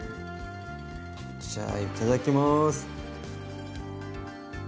じゃあいただきます！